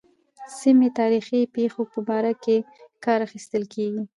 سیمې تاریخي پېښو په باره کې کار اخیستل کېږي.